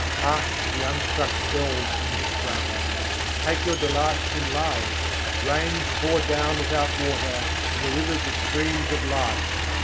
Hark to the unstruck bells and drums! Take your delight in love! Rains pour down without water, and the rivers are streams of light.